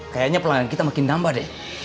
kayaknya pelanggan kita makin tambah deh